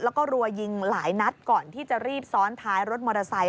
แล้วก็รัวยิงหลายนัดก่อนที่จะรีบซ้อนท้ายรถมอเตอร์ไซค